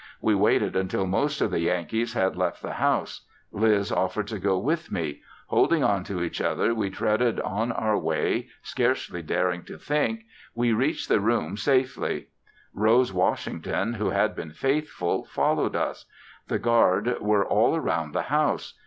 We waited until most of the Yankees had left the house. Liz offered to go with me; holding on to each other we treaded on our way, scarcely daring to think, we reached the room safely. Rose Washington, who had been faithful, followed us; the guard were all around the house.